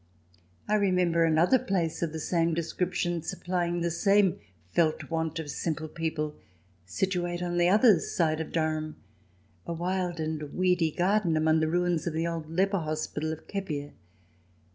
I remember another place of the same descrip tion supplying the same felt want of simple people, situate on the other side of Durham, a wild and weedy garden among the ruins of the old leper hospital of Kepier.